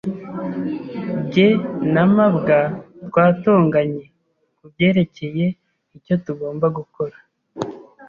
Jye na mabwa twatonganye kubyerekeye icyo tugomba gukora.